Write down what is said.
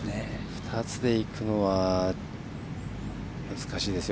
２つでいくのは難しいですよ。